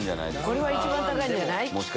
これが一番高いんじゃない？